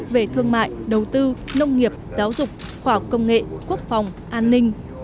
về thương mại đầu tư nông nghiệp giáo dục khoa học công nghệ quốc phòng an ninh